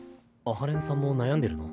阿波連さんも悩んでるの？